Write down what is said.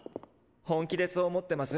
本気でそう思ってます？